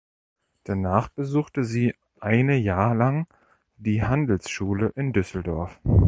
Danach besuchte sie eine Jahr lang die Handelsschule in Düsseldorf.